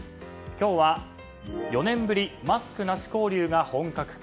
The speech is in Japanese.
今日は４年ぶりマスクなし交流が本格化。